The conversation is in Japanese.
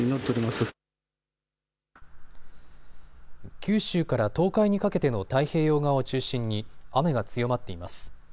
九州から東海にかけての太平洋側を中心に雨が強まっています。